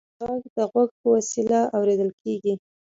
غږ د غوږ په وسیله اورېدل کېږي.